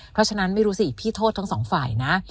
เพราะฉะนั้นไม่รู้สิพี่โทษทั้งสองฝ่ายนะ